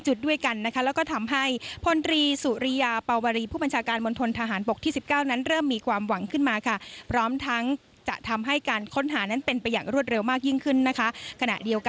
จุดด้วยกันนะคะแล้วก็ทำให้